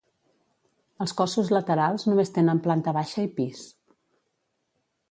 Els cossos laterals només tenen planta baixa i pis.